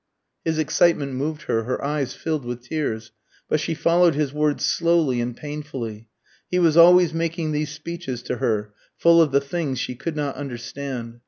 His excitement moved her, her eyes filled with tears; but she followed his words slowly and painfully. He was always making these speeches to her, full of the things she could not understand.